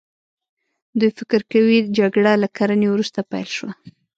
دوی فکر کوي جګړه له کرنې وروسته پیل شوه.